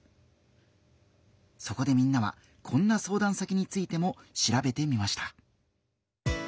そこでみんなはこんな相談先についてもしらべてみました。